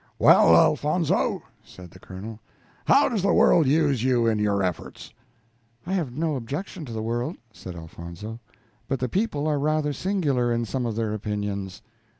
"Well, Elfonzo," said the Colonel, "how does the world use you in your efforts?" "I have no objection to the world," said Elfonzo, "but the people are rather singular in some of their opinions."